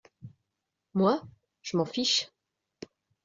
Moi ?… je m’en fiche !…